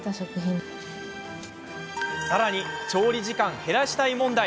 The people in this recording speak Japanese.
さらに調理時間減らしたい問題。